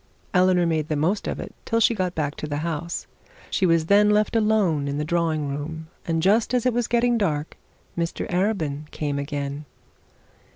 Eleanor made the most of it till she got back to the house. She was then left alone in the drawing room, and just as it was getting dark Mr Arabin came in.